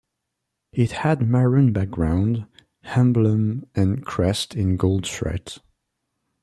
It had maroon background, emblem and crest in gold thread.